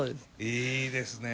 いいですね。